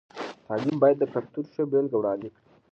تعلیم باید د کلتور ښه بېلګه وړاندې کړي.